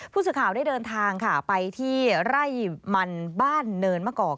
ผู้สื่อข่าวได้เดินทางค่ะไปที่ไร่มันบ้านเนินมะกอก